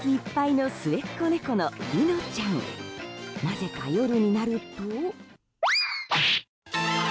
なぜか、夜になると。